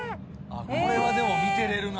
これはでも見てれるな。